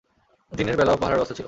দিনের বেলাও পাহারার ব্যবস্থা ছিল।